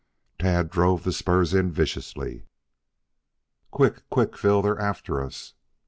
Tad drove the spurs in viciously. "Quick! Quick, Phil! They're after us."